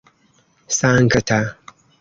sankta